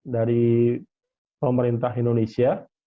dari pemerintah indonesia